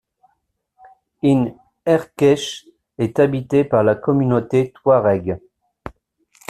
In Erkeche est habité par la communauté Touarègue.